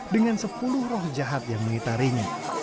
dengan sepuluh roh jahat yang melitar ini